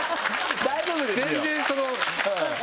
大丈夫ですよ！